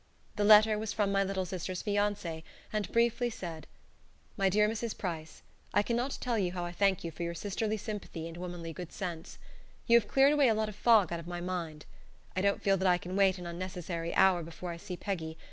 The letter was from my little sister's fiance, and briefly said: "My dear Mrs. Price, I cannot tell you how I thank you for your sisterly sympathy and womanly good sense. You have cleared away a lot of fog out of my mind. I don't feel that I can wait an unnecessary hour before I see Peggy.